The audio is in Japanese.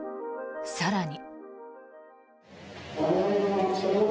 更に。